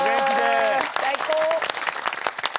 最高！